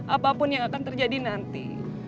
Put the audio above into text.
apapun yang akan terjadi nanti